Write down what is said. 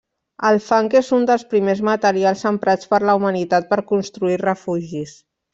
El fang és un dels primers materials emprats per la humanitat per construir refugis.